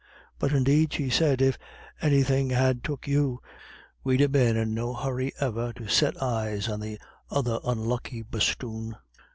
"But indeed," she said, "if anythin' had took you, we'd ha' been in no hurry ever to set eyes on the other unlucky bosthoon."